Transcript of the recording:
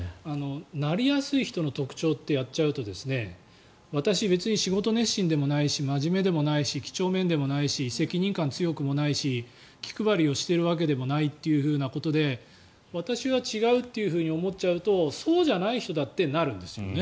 なりやすい人の特徴ってやっちゃうと私、別に仕事熱心でもないし真面目でもないし几帳面でもないし責任感強くもないし気配りをしているわけでもないということで私は違うと思っちゃうとそうじゃない人だってなるんですよね。